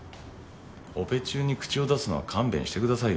オペ中に口を出すのは勘弁してくださいよ。